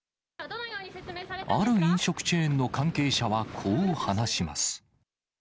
ある飲食チェーンの関係者はこう話します。